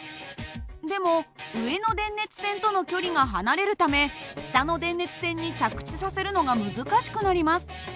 でも上の電熱線との距離が離れるため下の電熱線に着地させるのが難しくなります。